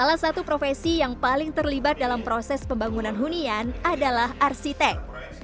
salah satu profesi yang paling terlibat dalam proses pembangunan hunian adalah arsitek